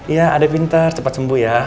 iya ada pintar cepat sembuh ya